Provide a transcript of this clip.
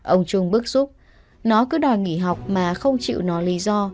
ông trung bức xúc nó cứ đòi nghỉ học mà không chịu nó lý do